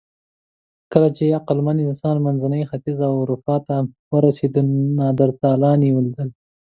کله چې عقلمن انسان منځني ختیځ او اروپا ته ورسېد، نیاندرتالان یې ولیدل.